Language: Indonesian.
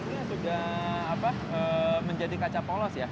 ini sudah menjadi kaca polos ya